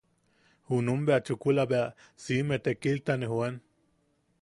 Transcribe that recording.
Junum bea chukula bea siime tekilta ne joan.